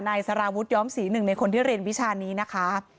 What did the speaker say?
นายสารวุฒิย้อม๔๑ในคนที่เรียนวิชานี้นะคะ